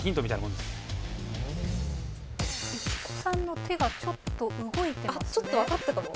市古さんの手がちょっと動いてますね。